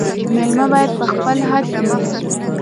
مېلمه باید په خپل حد کي وي